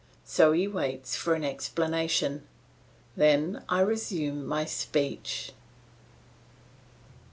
So he waits for an explanation. Then I resume my speech.